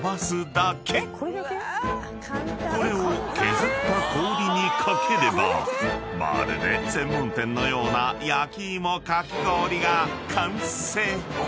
［これを削った氷に掛ければまるで専門店のような焼き芋かき氷が完成］